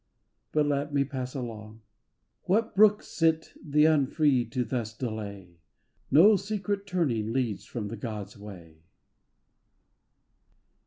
— But let me pass along : What brooks it the unfree to thus delay? No secret turning leads from the gods' way.